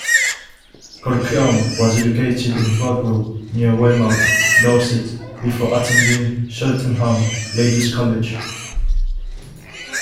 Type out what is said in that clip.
Colquhoun was educated in Rodwell, near Weymouth, Dorset before attending Cheltenham Ladies' College.